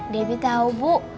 debbie tahu bu